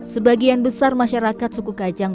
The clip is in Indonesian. sebagian besar masyarakat suku kajang